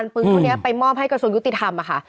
เพราะน่ะไปมอบให้กระทรวงยุติธรรมนะคะ